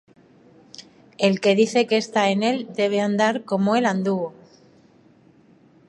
El que dice que está en él, debe andar como él anduvo.